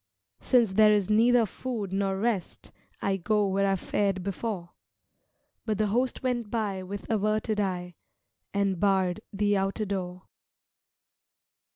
"Since there is neither food nor rest, I go where I fared before" But the Host went by with averted eye And barred the outer door.